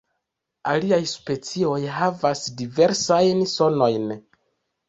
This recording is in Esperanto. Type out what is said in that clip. Aliaj specioj havas diversajn sonojn.